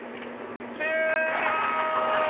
終了！